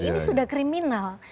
ini sudah kriminal